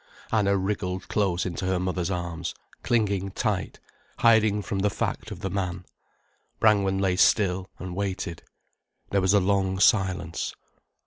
Anna wriggled close into her mother's arms, clinging tight, hiding from the fact of the man. Brangwen lay still, and waited. There was a long silence.